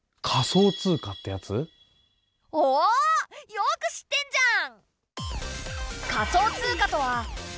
よく知ってんじゃん！